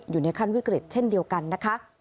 อยู่ในขั้นวิกฤตเช่นเดียวกันนะคะ